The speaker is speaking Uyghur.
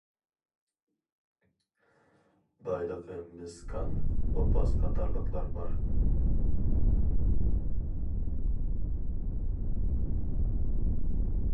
بايلىقى مىس كان، توپاز قاتارلىقلار بار.